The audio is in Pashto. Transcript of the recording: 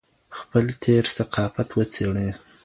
خپل تېر ثقافت وڅېړي